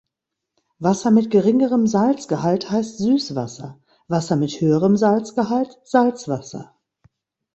Wasser mit geringerem Salzgehalt heißt Süßwasser, Wasser mit höherem Salzgehalt Salzwasser.